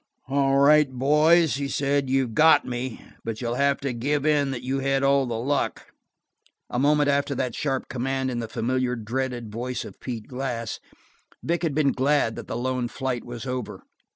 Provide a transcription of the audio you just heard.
"All right, boys," he said, "you've got me, but you'll have to give in that you had all the luck." A moment after that sharp command in the familiar, dreaded voice of Pete Glass, Vic had been glad that the lone flight was over.